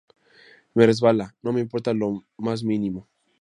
Me resbala, no me importa lo más mínimo